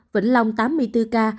vĩnh long tám một mươi bốn ca